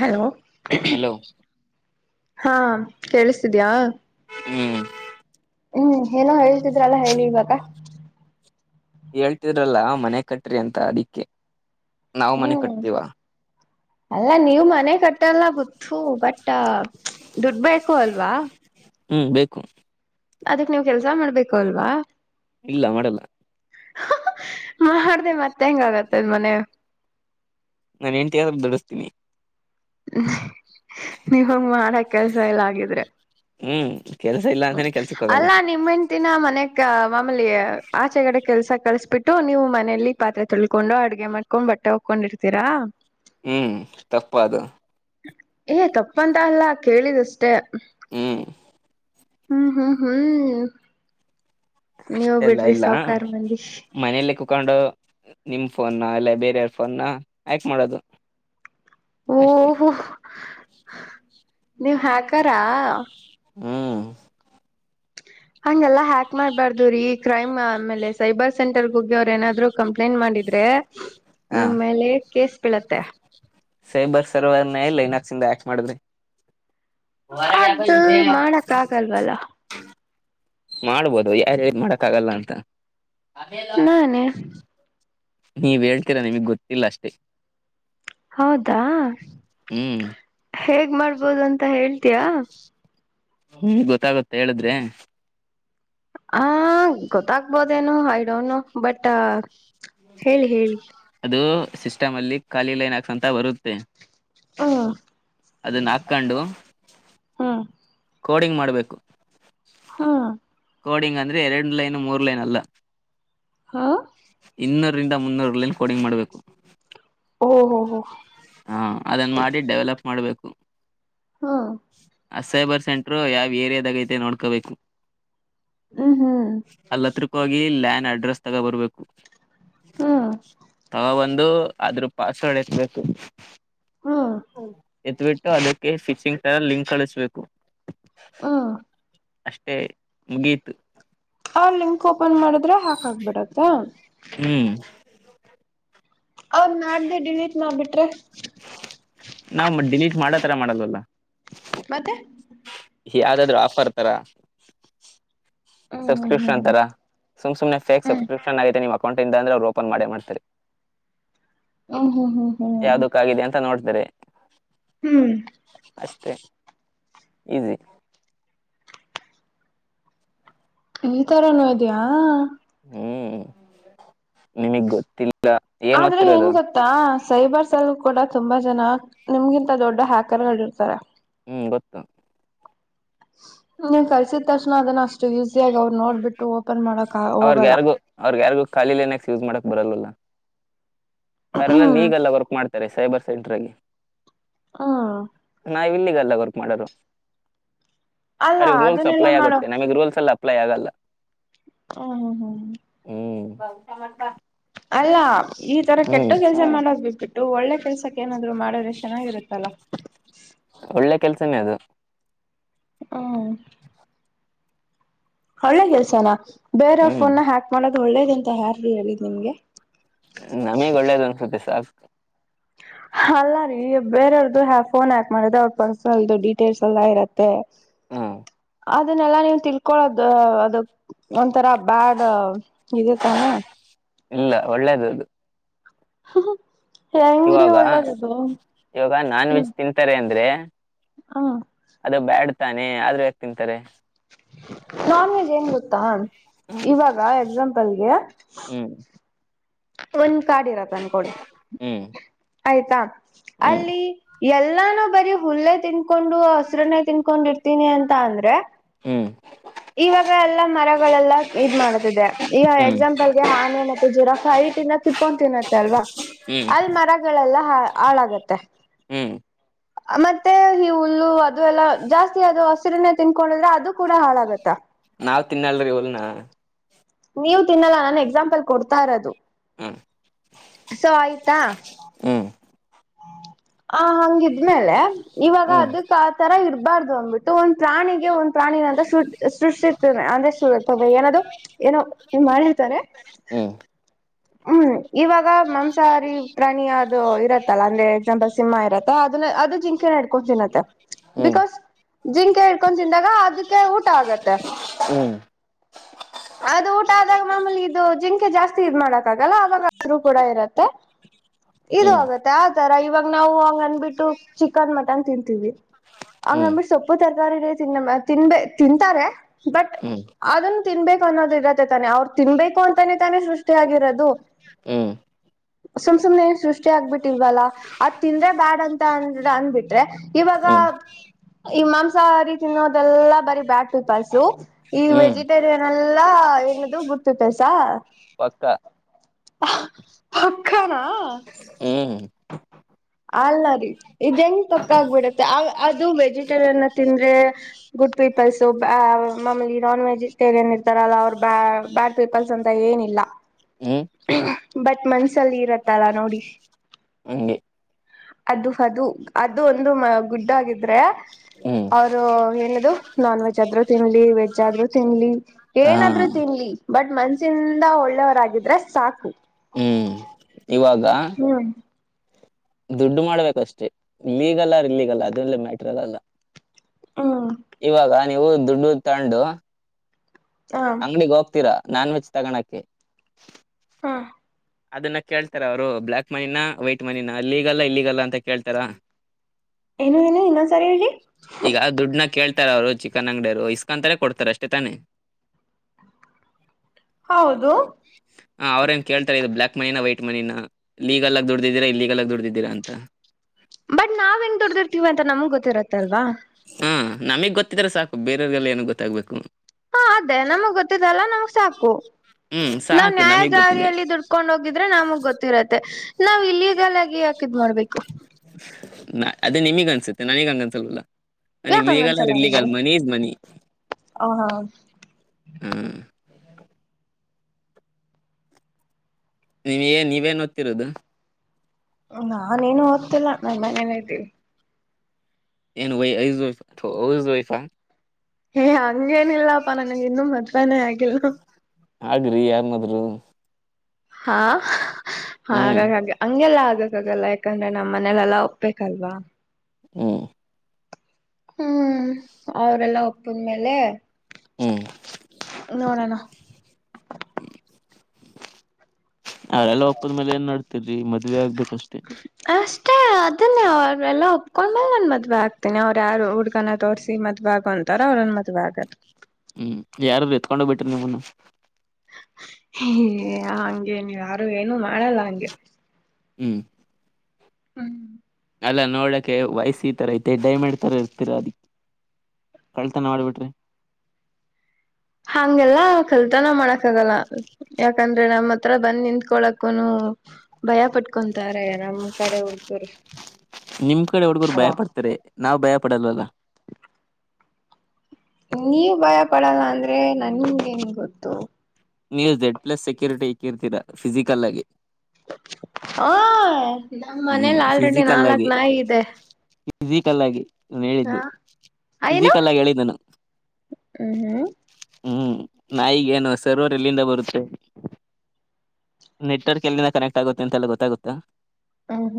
Hello. Hello. ಹಾ ಕೇಳಿಸತಿದ್ಯಾ. ಹ್ಮ್ ಹ್ಮ್ ಏನೋ ಹೇಳ್ತಿದ್ರಲ್ಲ ಹೇಳಿ ಇವಾಗ. ಹೇಳ್ತಿದ್ರಲ್ಲಾ ಮನೆ ಕಟ್ರಿ ಅಂತ ಅದಿಕ್ಕೆ. ನಾವು ಮನೆ ಹ್ಮ್ ಕಟ್ತೀವ ಅಲ್ಲ ನೀವ ಮನೆ ಕಟ್ಟಲ್ಲ. ಹೂ ಬಟ್ ದುಡ್ಬೇಕು ಅಲ್ವಾ. ಹ್ಮ್ ಬೇಕು. ಅದಕ್ ನೀವ್ ಕೆಲ್ಸ ಮಾಡ್ಬೇಕು ಅಲ್ವಾ. ಇಲ್ಲ ಮಾಡಲ್ಲ. [inaudible] ಮ ಹೆಂಗ ಆಗತ್ತದ ಮನೆ. ನನ್ ಹೆಂಡ್ತಿ [unintelligible] ನೀವಂಗ ಮಾಡ ಕೆಲ್ಸ ಎಲ್ಲ ಆಗಿದ್ರೆ. ಹ್ಮ್. ಕೆಲ್ಸ ಇಲ್ಲ ಹ್ಮ ಅಂತಾನೆ ಕೆಲ್ಸಕ್ ಹೋಗಲ್ಲ ಅಲ್ಲಾ ನಿಮ್ಮ ಹೆಂಡತಿನ ಮನೆಗ್. ಮಾಮಲಿ ಆಚೆಗಡೆ ಕೆಲ್ಸ ಕಳ್ಸಬಿಟ್ಟು ನೀವು ಮನಲಿ ಪಾತ್ರೆ ತೊಳ್ಕೊಂಡು ಅಡುಗೆ ಮಾಡ್ಕೊಂಡ್ ಬ. ಪಟ್ಟ ಹಕೊಂಡಿರ್ತೀರಾ. ಹ್ಮ್ ತಪ್ಪ ಅದು. ಏ ತಪ್ಪಂತ ಅಲ್ಲ ಕೇಳಿದಷ್ಟೇ. ಹ್ಮ್. ಹ್ಮ್ ಹ್ಮ್ ಹ್ಮ್. ನೀವ ಅಷ್ಟೆಲ್ಲ ಬಿಡ್ರಿ ಸಾವಕಾರಾರ್ ಮಂದಿ. ತಕೊಂಡು ನಿಮ್ ಫೋನ್ ಅಲ್ಲ ಬೇರೆಯಾರ ಫೋನ್ನ ಯಾಕೆ ಮಾಡೋದು. ಅಷ್ಟೇ ಓಹೋ. ನೀವ್ ಹಾಕಾರಾ. ಹಾ. ಹಂಗಗೆಲ್ಲ ಹ್ಯಾಕ್ ಮಾಡ್ಬಾರ್ದು ರೀ ಈ ಕ್ರೈಮ್ ಆಮೇಲೆ ಸೈಬರ್ ಸೆಂಟರ್ ಹೋಗಿ ಅವ್ರು ಏನಾದ್ರು ಕಂಪ್ಲೇಂಟ್ ಮಾಡಿದ್ರೆ. ಹ ನಿಮ್ಮೇಲೆ ಕೇಸ್ ಬೀಳತ್ತೆ. ಸೈಬರ್ ಸರ್ವರ್ನ ಲೈನಾಕ್ಸ್ಂದ ಆಕ್ಟ್ ಮಾಡಿದ್ರಿ. ಹೊರಗ್ ಅದು ಮಾಡಕ್ [unintelligible] ಆಗಲ್ವಲ್ಲ ಮಾಡ್ಬೋದು ಯಾರತಿ ಮಾಡಕ್ಗಲ್ಲ ಅಂತ. ನಾನೇ [inaudible] ನೀವ ಹೇಳ್ತೀರಾ ನಿಮಗ್ ಗೊತ್ತಿಲ್ಲ ಅಷ್ಟೆ ಹೌದಾ ಹ್ಮ್ [inaudible] ಹೇಗ್ ಮಾಡ್ಬೋದು ಅಂತ ಹೇಳ್ತಯಾ. ಹ್ಮ್ ಗೊತ್ತಾಗುತ್ತೆ ಹೇಳಿದ್ರೆ. ಹ ಗೊತ್ತಾಗ್ಬೋದೇನು ಐ ಡೋಂಟ್ ಬಟ್. ಹೇಳಿ ಹೇಳಿ ಇದು ಸಿಸ್ಟಮ್ ಅ ಖಾಲಿ ಲೈನ್ ಹಾಕ್ ಬರುತ್ತೆ ಹ್ಮ್ ಅದನ್ನ ಹಾಕಕೊಂಡು ಹ್ಮ್ ಕೋಡಿಂಗ್ ಮಾಡಬೇಕು ಹಾ ಕೋಡಿಂಗ್ ಅಂದ್ರೆ ಎರಡು ಲೈನ್ ಮೂರು ಲೈನ್ ಅಲ್ಲಾ ಹಾ ಇನ್ನೂರರಿಂದ ಮುನ್ನೂರು ಲೈನ್ ಕೋಡಿಂಗ್ ಮಾಡಬೇಕು ಓ ಹೋ ಹೋ ಹಾ ಅದನ್ನ ಮಾಡಿ ಡೆವಲಪ್ ಮಾಡ್ಬೇಕು ಹಾ ಅ ಸೈಬರ್ ಸೆಂಟರು ಯಾವ್ ಏರಿಯಾದಾಗ ಐತೆ ನೋಡ್ಕೋಬೇಕು ಹ್ಮ್ ಹ್ಮ್ ಗಿ ಲ್ಯಾಂಡ ಅಡ್ರೆಸ್ ತಗೊ ಬರ್ಬೇಕು ಹ್ಮ್ ಒಂದು ಆದ್ರ ಪಾಸ್ ವರ್ಡ್ ಎತ್ತಬೇಕು ಹ್ಮ್ ಹೂ ಎತ್ಬಿಟ್ಟು ಅದಕ್ಕೆ ಫಿಶಿಂಗ್ ಲಿಂಕ್ ಕಳಿಸ್ಬೇಕು ಹ್ಮ ಅಷ್ಟೇ ಮುಗಿಯಿತು ಆ ಲಿಂಕ್ ಓಪನ್ ಮಾಡಿದ್ರೆ ಹಾಕಕ್ಬಿಡತ್ತಾ ಹ್ಮ್ ಅವದ ನಾಡ್ದೇ ಡಿಲಿಟ್ ಮಾಡಿ ಬಿಟ್ರೆ ನಾವ್ ಡಿಲೀಟ್ ಮಾಡತರ ಮಾಡಲ್ವಲ್ಲ ಮತ್ತೆ ಯಾವ್ದಾದ್ರು ಆಫರ್ ತರ ಹ್ಮ್ ಹ್ಮ್ ಸಬ್ಸ್ಕ್ರಿಪ್ಷನ್ ತರಾ ಸುಮ್ಸುಮ್ನೆ ಫೇಕ್ ಸಬ್ಸ್ಕ್ರಿಪ್ಷನ್ ಆಗಿದೆ ನಿ ಟ್ ಅಂದ್ರ ಅವರು ಓಪನ್ ಮಾಡೇ ಮಾಡ್ತಾರೆ ಹ್ಮ್ ಹ್ಮ್ ಹ್ಮ್ ಹ್ಮ್ ಹ್ಮ್ ಹ್ಮ್ ಯಾದಕ್ಕಿದೆ ಅಂತ ನೋಡ ಅರೆ ಹ್ಮ್ ಅಷ್ಟೇ ಈಸಿ ಈ ತರನು ಇದೆಯಾ ಹ್ಮ್ ನಿಮಗ್ ಗೊತ್ತಿಲ್ಲಾ ಆದ್ರೆ ಹೆಂಗ್ ಗೊತ್ತಾ ಸೈಬರ್ ಸಲ್ ಕೂಡ ತುಂಬಾ ಜನ ನಿಮಗಿಂತ ದೊಡ್ಡ ಹ್ಯಾಕರ್ಗಳ ಇರ್ತಾರೆ ಹ್ಮ್ ಗೊತ್ತು ನೀನ್ ಕಲ್ಸಿದ ತಕ್ಷಣ ಅದನ್ನ ಅಷ್ಟು ಇಸಿ ಆಗ ಅವ್ರು ನೋಡ್ಬಿಟ್ಟ ಅವ್ರಗ ಯಾರಿಗು ಅವ್ರಗ ಯಾರಿಗು ಖಾಲಿಲೆ ಏನಕ್ ಯೂಸ್ ಮಾಡಕ್ ಬರಲ್ಲಲ್ಲ ಅವರೆಲ್ಲ ಹ್ಮ್ ಲೀಗಲ್ ವರ್ಕ್ ಮಾಡ್ತಾರೆ ಸೈಬರ್ ಸೆಂಟರ್ ಲೀ ಹಾ ನ ಇಲ್ಲಿಗಲ್ಲ ವಕ್ ಮಾಡೊದು ಅಲ್ಲ ರೂಲ್ಸ್ ಅದನ್ನೆಲ್ಲಾ ಅಪ್ಲೈ ಮಾಡೋ ಆಗುತ್ತೆ ನಮಗ್ ರೂಲ್ಸ್ ಎಲ್ಲ ಪ್ಲೇ ಆಗಲ್ಲ ಹ ಹ್ಮ ಹ್ಮ ಹ್ಮ [unintelligible] ಅಲ್ಲ ಈ ತರ ಕೆಟ್ಟ ಹ್ಮ್ ಕೆಲ್ಸ ಮಾಡೋದ್ ಬಿಟ್ಬಿಟ್ಟು ಒಳ್ಳೆ ಕೆಲ್ಸಕ್ಕೆ ಏನಾದ್ರು ಮಾಡದ್ರೆ ಚೆನ್ನಾಗಿರುತ್ತಲ್ಲಾ [unintelligible] ಒಳ್ಳೆ ಕೆಲ್ಸನೇ ಅದು. ಹ್ಮ. ಒಳ್ಳೇದ ಕೆಲ್ಸನಾ ಬೇರ ಹ್ಮ್ ಫೋನ್ ಹ್ಯಾಕ್ ಮಾಡೋದು ಒಳ್ಳೇದ ಅಂತ ಯಾರೀ ಹೇಳಿದ್ ನಿಮ್ಗೆ ನಮಗ್ ಒಳ್ಳೇದು ಅನ್ಸುತ್ತೆ ಸಾಕು ಅಲ್ಲ ರೀ ಬೇರೆಯವ್ರ್ದು ಫೋನ್ ಹಾಕ್ ಮಾಡಿದೆ ಅವ್ರ ಪರ್ಸನಲ್ದು ಡೀಟೇಲ್ಸ್ ಎಲ್ಲ ಇರತ್ತೆ ಹ್ಮ್ ಅದನ್ನೆಲ್ಲಾ ನೀವು ತಿಳ್ಕೊಳದು ಅದಕ್ ಒಂಥರಾ ಬ್ಯಾಡ್ ಇದೆ ತಾನೆ ಇಲ್ಲ ಒಳ್ಳೇದು ಅದು ಇವಾಗ ಹಂಗ್ರಿಒಳ್ಳದೋ ಇವಾಗ ನಾನ್ ಹ್ಮ ವೆಜ್ ತಿಂತಾರೆ ಅಂದ್ರೆ ಅದು ಹ ಬ್ಯಾಡ್ ತಾನೆ ಆದ್ರೂ ಯಾಕೆ ತಿಂತಾರೆ ನಾನ್ ವೆಜ್ ಹೆಂಗ ಗೊತ್ತಾ ಹ್ಮ್ ಇವಾಗ ಎಕ್ಸಾಂಪಲ್ ಗೆ ಹ್ಮ್ ಒಂದ್ ಕಾರ್ಡ್ ಇರತ್ತ ಅನ್ಕೊಳ್ಳಿ ಹ್ಮ್ ಆಯ್ತಾ ಅಲ್ಲಿ ಎಲ್ಲಾನು ಬರಿ ಹುಲ್ಲೆ ತಿನ್ಕೊಂಡು ಹಸ್ರನೆೇ ತಿನ್ಕೊಂಡಿರ್ತೀನಿ ಅಂತ ಅಂದ್ರೆ. ಹ್ಮ್ ಇವಾಗ ಎಲ್ಲಾ ಮರಗಳೆಲ್ಲ ಇದ್ ಮಾಡತಿದೆ ಈಗ ಹ್ಮ್ ಎಕ್ಸಾಂಪಲ್ಗೆ ಆನೆೆ ಮತ್ತೆ ಗಿರಾಫ್ಫ್ ಹೇಯ್ ಟಿನ ತಿತ್ಕೊಂಡ ತಿನ್ನತ್ತೆ ಅಲ್ವಾ ಹ್ಮ್ ಅಲ್ಲಿ ಮರಗಳೆಲ್ಲ ಹ ಹಾಳಾಗತ್ತೆ. ಹ್ಮ್ [inaudible] ಮತ್ತೆ ಈ ಹುಲ್ಲು ಅದು ಎಲ್ಲಾ ಜಾಸ್ತಿ ಅದು ಹಸಿರನೇ ತಿನ್ಕೊಂಡಿದ್ರೆ ಅದು ಕೂಡ ಹಾಳಾಗುತ್ತೆ. ನಾವ್ ತಿನ್ನಲ್ರಿ ಇವುನ್ನ. ನೀವು ತಿನ್ನಲ್ಲ ನನ್ ಎಕ್ಸಾಂಪಲ್ ಕೊಡ್ತಾ ಇರೋದು. ಹ್ಮ್ ಸೊ ಆಯ್ತಾ ಹ್ಮ್ ಆ ಹಂಗಿದ್ಮೇಲೆ. ಇವಾಗ ಹ್ಮ್ ಅದಕ್ ಆ ತರ ಇರಬಾರ್ದು ಅಂದ್ಬಿಟ್ಟು ಒಂದ್ ಪ್ರಾಣಿಗೆ ಒಂದ್ ಪ್ರಾಣಿನಂತ ಸ ಸೃಷ್ಟ ಅಂದ್ರೆ ಸು ಸುಬ್ಬ ಏನಾದ ಏನೋ ಮಾಡಿರ್ತಾನ. ಹ್ಮ್. ಹ. ಇವಾಗ ಮಾಂಸಾಹಾರಿ ಪ್ರಾಣಿ ಅದು ಇರತ್ತಲ್ಲ ಅಂದ್ರೆ ಎಕ್ಸಾಂಪಲ್ ಸಿಂಹ ಇರತ್ತ ಅದನ್ನ ಅದು. ಜಿಂಕೆ ಹಡ್ಕೊಂಡು ತಿನ್ನುತ್ತೆ, ಹ್ಮ್ ಬಿಕಾಸ್ ಜಿಂಕೆ ಇಡ್ಕೊಂಡು ತಿಂದಾಗ ಅದಕ್ಕೆ ಊಟ ಆಗತ್ತೆ. ಹ್ಮ್. ಅದು ಊಟ ಆದಾಗ ಮಮಲಿ ಇದು ಜಿಂಕೆ ಜಾಸ್ತಿ ಇದ್ ಮಾಡ್ತ್. ಲ್ಲ ಅವಾಗ ಹಸರು ಕೂಡ ಇರತ್ತೆ. ಇದು ಹ್ಮ್ ಆಗತ್ತೆ ಆತರ ಇವಾಗ ನಾವು ಹಂಗ ಅಂದ್ಬಿಟ್ಟು ಚಿಕನ್ ಮಟನ್ ತಿಂತೀವಿ. ಹ್ಮ್ ಹಂಗಂದಿಟ್ಟ ಸೊಪ್ಪು ತರಕಾರಿನೇ ತಿನ್ನ ತಿನ್ಬ ತಿಂತಾರೆ ಬಟ್. ಹ್ಮ್ ಅದನ್ನು ತಿನ್ಬೇಕು ಅನ್ನೋದು ಇರತ್ತೆ ತಾನೆ ಅವ್ರು ತಿನ್ಬೇಕು ಅಂತಾನೇ ತಾನೆ ಸೃಷ್ಟಿಯಗಿರೋದು. ಹ್ಮ್. [inaudible] ಸುಮ್ ಸುಮ್ನೆ ಏನ್ ಸೃಷ್ಟಿ ಆಗ್ಬಿಟ್ಟಿಲ್ವಲ್ಲ ಅದ್ ತಿಂದ್ರೆ ಬ್ಯಾಡ್ ಅಂತ ಅಂದ ಅಂದಬಿಟ್ರೆ ಇವಾಗ. ಹ್ಮ್ [unintelligible] ಈ ಮಾಂಸಾಹಾರಿ ತಿನ್ನೋದೆಲ್ಲಾ ಬರೀ ಬ್ಯಾಡ್ ಪೀಪಲ್ಸು ಈ ಹ್ಮ್ ವೆಜಿಟೇರಿಯನ್ ಎಲ್ಲಾ. ಎನ್ನದು ಗುಡ್ ಪೀಪಲ್ಸ್ ಹಾ. ಪಕ್ಕಾ. ಪಕ್ಕನಾ. ಹ್ಮ್ ಅಲ್ಲ ರೀ ಇ ಹೆಂಗ ತಕ್ಕ ಆಗ್ಬಿಡತ್ತೆ ಅದು ವೆಜಿಟೇರಿಯನ್ ತಿಂದ್ರೆ ಗುಡ್ ಪೀಪಲ್ಸ್ ಮ ಮಾಮೂಲಿ ನಾನ್ ವೆಜಿಟೇರಿಯನ್ ಇರ್ತಾರಲ್ಲ ಅವರು ಬ ಬ್ಯಾಡ್ ಪೀಪಲ್ಸ್ ಅಂತ ಏನ್ ಇಲ್ಲ ಹ್ಮ್ ಬಟ್ ಮನ್ಸಲ್ಲಿ ಇರತ್ತಲ್ಲ ನೋಡಿ. ಹಂಗೆ ಅದು ಅದು ಅದು ಒಂದು ಮ ಗುಡ್ಡಾಗಿದ್ರೆ. ಹ್ಮ್ ಅವರು ಏನದು ನಾನ್ ವೆಜ್ ಆದ್ರೂ ತಿನ್ಲಿ ವೆಜ್ ಆದ್ರೂ ತಿನ್ಲಿ ಹಾ ಏನಾದ್ರು ತಿನ್ಲಿ. ಬಟ್ ಮನ್ಸಿಂದ ಒಳ್ಳೆಯವರಾಗಿದ್ರೆ ಸಾಕು. ಹ್ಮ್ ಇವಾಗ. ಹ್ಮ್ ದುಡ್ಡು ಮಾಡ್ಬೇಕುಷ್ಟೆ ಲೀಗಲ್ ಆ ಇಲ್ಲಿಗಲ್ ಅದ್ರಲ್ಲಿ ಮ್ಯಾಟರಿಯಲ್ ಅಲ್ಲ. ಹ್ಮ್ ಇವಾಗ ನೀವು ದುಡ್ಡು ತಗೊಂಡು. ಹ ಅಂಗ್ಡಿಗೆ ಹೋಗ್ತೀರಾ ನಾನ್ವೆೆಜ್ ತಗನಕೆ. ಹಾ ಅದನ್ನ ಕೇಳ್ತಾರ ಅವ್ರು ಬ್ಲ್ಯಾಕ್ ಮನಿನ ವೈಟ್ ಮನಿನ ಅಲ್ಲಿೀಗಲ್ಲ್ಲ ಇಲ್ಲಿೀಗಲ್ ಅಂತ ಕೇಳ್ತಾರ ಏನು ಏನು ಇನ್ನೊಂದ್ಸರಿ ಹೇಳಿ ಈಗ ದುಡ್ನ ಕೇಳ್ತ ಅವರು ಚಿಕನ್ ಅಂಗಡಿಯರು ಇಸ್ಕಂತಾರೆ ಕೊಡ್ತಾರೆ ಅಷ್ಟೇ ತಾನೇ. ಹೌದು. ಕೇಳ್ತಾರೆ ಇದು ಬ್ಲಾಕ್ ಮಿನ ವೈಟ್ ಮನಿನ ಲೀಗಲ್ ಆಗ ದುಡಿದೀರಾ ಇಲ್ಲೆಗಲ್ ಆಗ ದುಡ್ದಿದ್ದೀರಾ ಅಂತ. ಬಟ್ ನಾವ್ ಹೆಂಗ್ ದುಡ್ದಿರ್ತಿವಿ ಅಂತ ನಮಗಗ್ ಗೊತ್ತಿರತ್ತಲ್ವಾ. ಹಾ ನಮಗ್ ಗೊತ್ತಿದ್ರ ಸಾಕು ಬೇರೆಯವ್ರರಿಗೆಲ್ಲ ಏನ ಗೊತ್ತಾಗ್ಬೇಕು. ಹಾ ಅದೇ ನಮಗ್ ಗೊತ್ತಿದಲ್ಲ ನಮಗ್ ಸಾಕು. ಹ್ಮ್ ನಾವ್ ಸಾಕು ನ್ಯಾಯ ನಮಗ್ ಗೊತ್ತಿದ್ರಿ ದಾರಿಯಲ್ಲಿ ದುಡ್ಕೊಂಡ್ ಹೋಗಿದ್ರೆ ನಮಗ್ ಗೊತ್ತಿರತ್ತೆ. ನಾವ್ ಇಲ್ಲಿಗಾಲಾಗಿ ಯಾಕ್ ಇದ್ದ್ ಮಾಡ್ಬೇಕು. ನ ಅದೇ ನಿಮಗ ಅನ್ಸುತ್ತೆ ನನಗಂಗ ಅನ್ಸಲ್ವಲ್ಲ ಯಾಕ ಲೀಗಲ್ ಹಂಗನ್ಸಲ್ಲ ನಿಮ್ಗೆ ಇೀಗಲ್ ಮನಿ ಇಜ ಮನಿ ಹ ಹಾ ಹ್ಮ ನೀವ ಏ ನೀವೇನ್ ದತ್ತತಿರೋದು ನಾಾನೇನು ಓದ್ತಿಲ್ಲಾ ನಮ್ಮ ಮನೇನ ಇದ್ದೀವಿ ಏನು ವ ಐ ಹೌಸ್ ವೈಫ್ ಹೇ ಹಂಗೇನಿಲ್ಲಪ್ಪಾ ನನ್ಗೆ ಇನ್ನುೂ ಮದುವೆನೇ ಆಗಿಲ್ಲ ಹಾಗ್ರಿ ಯಾರ ಮದ್ರು ಹಾ ಹಾಗ ಹ್ಮ್ ಹಾಗ ಹಂಗೆಲ್ಲ ಆಗಕ್ಕಾಗಲ್ಲ ಯಾಕಂದ್ರೆ ನಮ್ಮ್ ಮನಲೆೆಲ್ಲಾ ಒಪ್ಬೇಕಲ್ವಾ ಹ್ಮ್ ಹ್ಮ್ ಅವ್ರಲ್ಲ ಒಪ್ಪಿದ್ಮೇಲೆ ಹ್ಮ್ ನೋಡೋಣ [unintelligible] ಅವೆಲ್ಲ ಒಪ್ಪದ ಮೇಲೆ ಏನ್ ಮಾಡಡ್ತರರಿ ಮದ್ವೆ ಆಗ್ಬೇಕಷ್ಟೇ ಅಷ್ಟೇ ಅದನ್ನೇ ಅವಲ್ಲ ಒೊಂಡ್ಮೇಲ್ ನನ್ ಮದ್ವೆ ಆಗ್ತನಿ ಅವ್ಯಾರು ಹುಡ್ಗನ ತೋರ್ಸಿ ಮದ್ವೆ ಆಗ ಅಂತಾರ ಅವ್ರರು ನನ್ ಮದ್ ಆಗದ ಹ್ಮ್ ಯಾರರು ಎತ್ಕೊಂಡೋಗ್ಬ ಬಿಟ್ರಿ ನಿಮ್ಮನ್ನು ಏ ಹಂಗೆ ನೀವ ಯಾರು ಏನು ಮಾಡಲ್ಲ ಹಂಗೆ ಹ್ಮ್ ಹ್ಮ್ ಅಲ್ಲ ನೋಡಕೆ ವಯಸ್ಸ ಈ ಥರ ಐತೆ ಡೈಮಂಡಡ್ ತಥರ ಇರ್ತೀರಾ ಅದಕ್ಕೆ ಕಳ್ತನ ಮಾಡ್ಬಿಟ್ರಿ ಹಂಗೆಲ್ಲ ಕಲ್ತನ ಮಾಡಕ್ ಆಗಲ್ಲ ಯಾಕಂದ್ರೆ ನಮ್ಮ್ ಹತ್ರ ಬಂದ್ ನಿಂಕೊಳಕುನು ಭಯ ಪಟ್ಕೊಂತಾರೆ ನಮ್ ಕಡೆ ಹುಡ್ಗರು ನಿಮ್ ಕಡೆ ಹುಡ್ಗರು ಭಯ ಪಡ್ತಾರೆ ನಾವ್ ಭಯ ಪಡಲ್ವಲ್ಲ ನೀವು ಭಯ ಪಡಲ್ಲ ಅಂದ್ರೆ ನನ್ನ್ ಗೊತ್ತು ರ್ತೀರಾ ಫಿಸಿಕಲ್ ಆಗಿ ಹ ನಮ ಹ್ಮ್ ಮನೇಲಿ ಆಲ್ರೆಡಿ ನಾಲ್ಕ್ ನಾಯಿ ಇದೆ ಫಿಿಸಿಕಲ್ ಆಗಿ ನನ್ ಹೇಳಿದ್ದು ಹ ಏನು ಫಿಸಿಕಲ್ ಆಗಿ ಹೇಳಿದ್ದಾನು ಹ್ಮ್ ಹ್ಮ್ ಹ್ಮ್ ನಾಯಿಗೇಏನು ಸರ್ವರ್ ಎಲ್ಲಿಂದ ಬರುತ್ತೆ ನೆಟ್ವರ್ಕ್ ಎಲ್ಲಿಂದ ಕನೆಕ್ಟ್ ಆಗುತ್ತೆ ಅಂತೆಲ್ಲ ಗೊತ್ತಾಗುತ್ತಾ ಹ್ಮ ಹ್ಮ್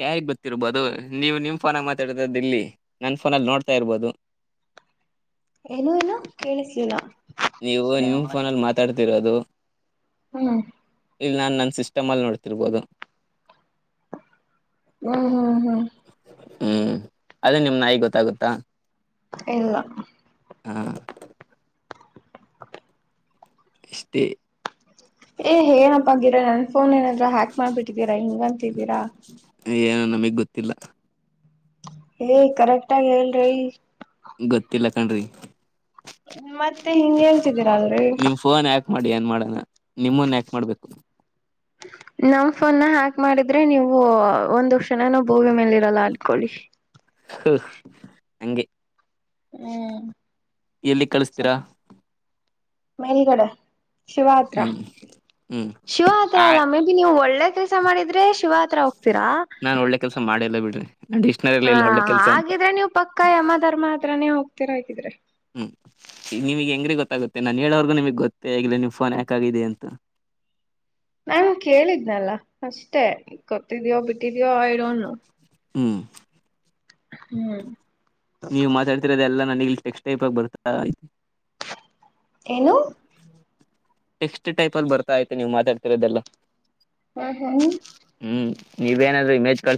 ಯಾಗ್ ಗೊತ್ತಿರ್ಬೋದು ನೀವು ನಿಮ್ ಫೋನ ಮಾತಾಡಿದದ್ದ ಇಲ್ಲಿ ನನ್ನ ಫೋನಲ್ಲಿ ನೋಡ್ತಾ ಇರ್ಬೋದು [unintelligible] ಏನುೂ ಇಲ್ಲ ಕೇಳಿಸ್ಲಿಲ್ಲ ತಿರದು ಹ್ಮ್ ಇಲ್ಲಿ ನಾು ನನ್ನ ಸಿಸ್ಟಮ್ ಅಲ್ಲಿ ನೋಡ್ತಿರ್ಬೋದು ಹ್ಮ್ ಹ್ಮ್ ಹ್ಮ್ ಹ್ಮಂ ಅದೇ ನಿಮ್ಮ ನಾಯಿಗ ಗೊತ್ತಾಗುತ್ತಾ? ಇಲ್ಲಾ ಹಾಂ ಇಷ್ಟೆ ಏ ಏನಪ್ಪ ಗಿರ ನನ್ ಫೋನ್ ಏನಾದ್ರ ಹ್ಯಾಕ್ ಮಾಡ್ಬಿಟ್ಟಿದ್ದೀರಾ ಹಿಂಗಂತಿದ್ದೀರಾ? ನಿಮಗ್ ಗೊತ್ತಿಲ್ಲಾ. ಲ ಕರೆಕ್ಟಾಗಿ ಹೇಳಲೇ ರೀ ಗೊತ್ತಿಲ್ಲಾ ಕಣ್ರಿ. ಮತ್ತೆ ಹಿಂಗ ಹೇಳ್ತಿದ್ದೀರಾ ಅಲ್ಲರಿ. ನಿಮ್ ಫೋನ್ ಯಾಕ್ ಮಾಡಿ ಏನ್ ಮಾಡಣೊ ನಿಮ್ಮನ್ ಯಾಕ್ ಮಾಡ್ಬೇಕು. ನಮ್ ಫೋನನಾ ಹ್ಯಾಕ್ ಮಾಡಿದ್ರೆ ನೀವು ಒಂದ್ ಕ್ಷಣಾನು ಭೂಮಿ ಮೇಲೆ ಇರಲ್ಲ ಅಣ್ಕೊಳಿ. ಹೂ ಹಂಗೆ. ಹ್ಮಂ. ಎಲ್ಲಿ ಕಳಿಸತೀರಾ. ಮೇಲಗಡೆ ಶಿವ ಹತ್ರ ಹ್ಮ್ ಹ್ಮ್ ಶಿವ ಹತ್ರ ಆ ಅಲ್ಲ ಮೇ ಬಿ ನೀವು ಒಳ್ಳೆ. ಕೆಲಸಾ ಮಾಡಿದ್ರೆ ಶಿವ ಹತ್ರ ಹೋಗ್ತೀರಾ. ನಾನ್ ಒಳ್ಳೆ ಕೆಲ್ಸ ಮಾಡಿಲ್ಲ ಬಿಡ್ರಿ ನಾನ್ ಡಿಕ್ಷನರಿಲ್ಲಿ ಇಲ್ಲ ಒಳ್ಳೆ ಹಾಂ ಕೆಲ್ಸ ಅಂತ ಹಾಗಿದ್ರೆ ನೀವು ಪಕ್ಕ ಯಮಧರ್ಮ ಹತ್ರಾನೆ ಹೋಗ್ತೀರ ಹಾಗಿದ್ರೆ. ನಿಮಗ ಹೆಂಗ ರಿ ಗೊತ್ತಾಗುತ್ತೆ ನಾನನ್ ಹೇಳೋವರಗೂ ನಿಮ್ಗ್ ಗೊತ್ತೇಗಿಲ್ಲ ನಿಮ್ಮ ಫೋನ್ ಹ್ಯಾಕ್ ಆಗಿದೆ ಅಂತ. [inaudible] ನನ್ ಕೇಳಿದ್ನಲ್ಲ ಅಷ್ಟೇ ಗೊತ್ತಿದ್ಯಯೋ ಬಿಟ್ಟಿದಯೋ ಆಯ ಡೊಂಟ ನೊ. ಹ್ಮಂ. ಹ್ಮ್. ನೀವು ಮಾತಾಡ್ತಿರೋದೆ ಎಲ್ಲಾ ನನಗ ಇಲ್ಲಿ ಟೆಕ್ಸ್ಟ್ ಟೈಪ್ ಆಗ ಬರ್ತ ಆಯ್ತಿ. ಏನು. ಟೆಕ್ಸ್ಟ್ ಟೈಪ್ ಅಲ್ಲಿ ಬರ್ತಾ ಐತೆ ನಿವ ಮಾತಾಡ್ತಿರೋದೆಲ್ಲ. ಹ್ಮ ಹ್ಮಂ. ನೀವ ಏನಾದರು ಇಮೇಜ್ ಕಳಸಿ.